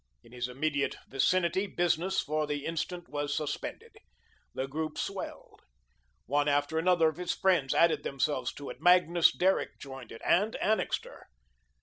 In his immediate vicinity business for the instant was suspended. The group swelled. One after another of his friends added themselves to it. Magnus Derrick joined it, and Annixter.